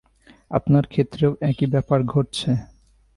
আপনার ক্ষেত্রেও একই ব্যাপার ঘটছে।